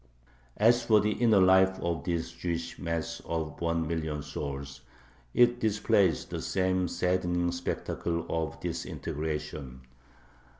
As for the inner life of this Jewish mass of one million souls, it displays the same saddening spectacle of disintegration.